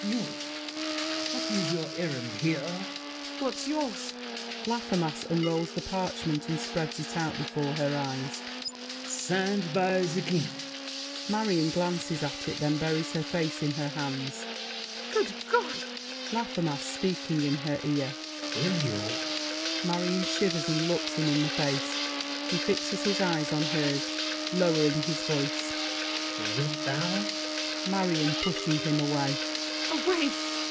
You! What is your errand here? MARION. What's yours? LAFFEMAS (unrolls the parchment and spreads it out before her eyes). Signed by The King! MARION (glances at it, then buries her face in her hands). Good God! LAFFEMAS (speaking in her ear). Will you? [Marion shivers and looks him in the face; he fixes his eyes on hers: lowering his voice. Wilt thou? MARION (pushing him away). Away!